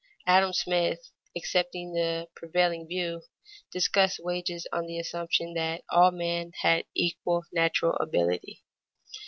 Adam Smith, accepting the prevailing view, discussed wages on the assumption that all men had equal natural ability.